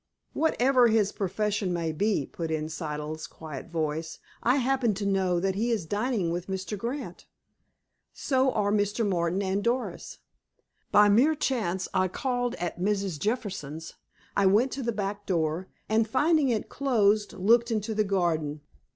"Whatever his profession may be," put in Siddle's quiet voice, "I happen to know that he is dining with Mr. Grant. So are Mr. Martin and Doris. By mere chance I called at Mrs. Jefferson's. I went to the back door, and, finding it closed, looked into the garden.